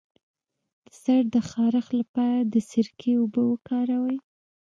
د سر د خارښ لپاره د سرکې اوبه وکاروئ